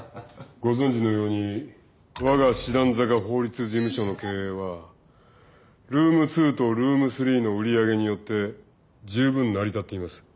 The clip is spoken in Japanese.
ご存じのように我が師団坂法律事務所の経営はルーム２とルーム３の売り上げによって十分成り立っています。